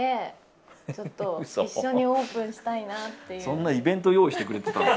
そんなイベント用意してくれてたの？